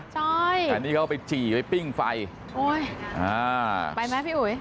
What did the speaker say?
ใช่ก็นี่เขาไปจีบางทีไปปิ้งไฟอุ้ยอ่าไปไหมพี่หนุ๋ย